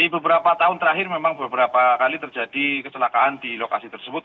beberapa tahun terakhir memang beberapa kali terjadi kecelakaan di lokasi tersebut